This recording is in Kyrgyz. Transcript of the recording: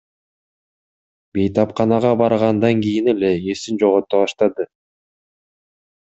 Бейтапканага баргандан кийин эле эсин жогото баштады.